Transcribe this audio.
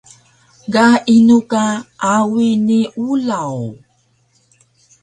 Ga inu ka Awi ni Ulaw?